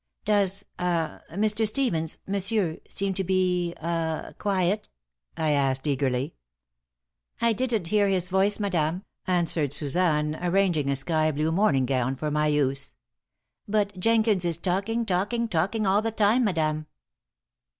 "Does ah Mr. Stevens monsieur seem to be ah quiet?" I asked, eagerly. "I didn't hear his voice, madame," answered Suzanne, arranging a sky blue morning gown for my use. "But Jenkins is talking, talking, talking all the time, madame."